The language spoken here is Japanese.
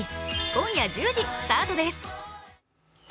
今夜１０時スタートです。